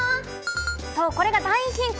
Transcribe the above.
そう、これが大ヒント。